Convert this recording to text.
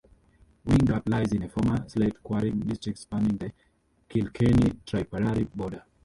Windgap lies in a former slate-quarrying district spanning the Kilkenny Tipperary border.